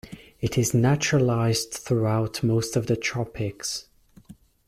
It is naturalized throughout most of the tropics.